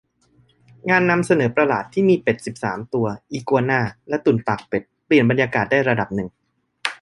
งานนำเสนอประหลาดที่มีเป็ดสิบสามตัว อีกัวน่า และตุ่นปากเป็ด เปลี่ยนบรรยากาศได้ระดับหนึ่ง